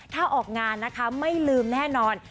ถ้าออกงานนะคะไม่ลืมแน่นอน